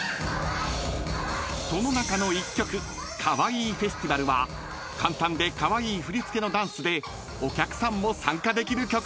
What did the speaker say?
［その中の１曲『ＫＡＷＡＩＩＦＥＳＴＩＶＡＬ』は簡単でカワイイ振り付けのダンスでお客さんも参加できる曲なんです］